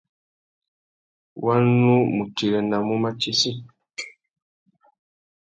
Wa nu mù tirenamú matsessi.